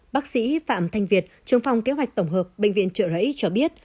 bác sĩ phạm thanh việt trường phòng kế hoạch tổng hợp bệnh viện trợ rẫy cho biết